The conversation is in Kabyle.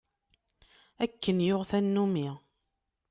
Akken yuɣ tanumi.